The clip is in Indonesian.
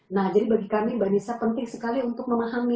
nah jadi bagi kami mbak nisa penting sekali untuk memahami